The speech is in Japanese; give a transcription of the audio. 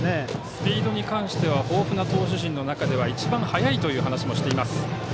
スピードに関しては豊富な投手陣の中では一番速いという話もしています。